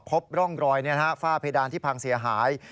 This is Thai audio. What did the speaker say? พบร่องรอยฝ้าเพดานที่พังเสียหาย